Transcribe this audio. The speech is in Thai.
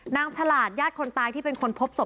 ฉลาดญาติคนตายที่เป็นคนพบศพ